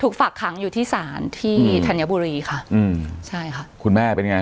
ฝากขังอยู่ที่ศาลที่ธัญบุรีค่ะอืมใช่ค่ะคุณแม่เป็นไง